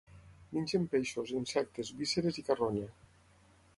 Mengen peixos, insectes, vísceres i carronya.